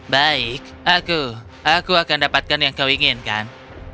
baik aku aku akan dapatkan yang kau inginkan